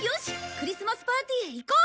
クリスマスパーティーへ行こう！